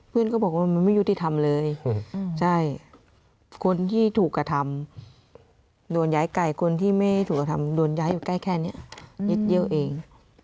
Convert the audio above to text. ก็บอกว่ามันไม่ยุติธรรมเลยใช่คนที่ถูกกระทำโดนย้ายไก่คนที่ไม่ถูกกระทำโดนย้ายอยู่ใกล้แค่นี้ยึดเยี่ยวเอง